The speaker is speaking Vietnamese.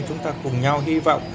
chúng ta cùng nhau hy vọng